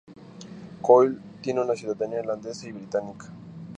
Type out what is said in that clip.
Coyle tiene una ciudadanía irlandesa y británica.